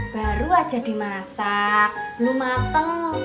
baru aja dimasak belum mateng